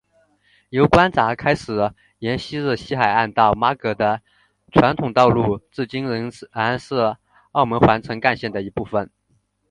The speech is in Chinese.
由关闸开始沿昔日西海岸到妈阁的传统道路至今仍然是澳门环城干线的一部分。